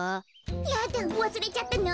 やだわすれちゃったの？